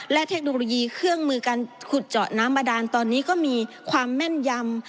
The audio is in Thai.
และเทคโนโลยีเครื่องมือการขุดเจาะน้ำบาดานตอนนี้ก็มีความแม่นยำ